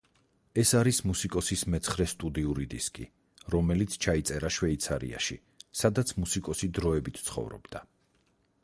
ეს არის მუსიკოსის მეცხრე სტუდიური დისკი, რომელიც ჩაიწერა შვეიცარიაში, სადაც მუსიკოსი დროებით ცხოვრობდა.